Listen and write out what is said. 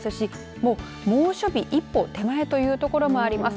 もう猛暑日一歩手前という所があります。